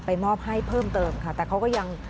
มอบให้เพิ่มเติมค่ะแต่เขาก็ยัง